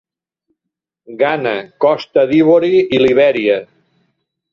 Ghana, Costa d'Ivori i Libèria.